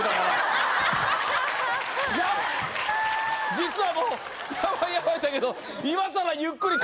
実はもうヤバいヤバい！だけど。